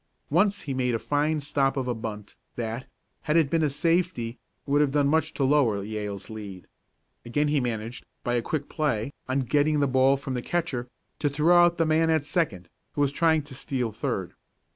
Once he made a fine stop of a bunt that, had it been a safety, would have done much to lower Yale's lead. Again he managed, by a quick play, on getting the ball from the catcher, to throw out the man at second, who was trying to steal third.